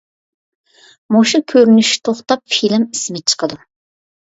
مۇشۇ كۆرۈنۈش توختاپ فىلىم ئىسمى چىقىدۇ.